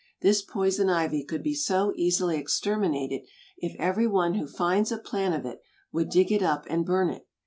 This poison ivy could be so easily exterminated if every one who finds a plant of it would dig it up and burn it.